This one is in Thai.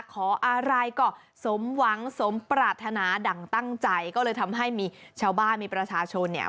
ขออะไรก็สมหวังสมปรารถนาดั่งตั้งใจก็เลยทำให้มีชาวบ้านมีประชาชนเนี่ย